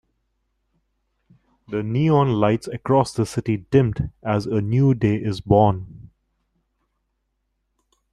The neon lights across the city dimmed as a new day is born.